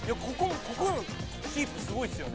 ここのキープすごいっすよね。